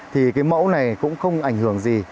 thì cái mẫu này cũng không ảnh hưởng gì